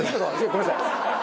ごめんなさい。